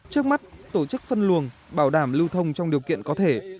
trước mắt tổ chức phân luồng bảo đảm lưu thông trong điều kiện có thể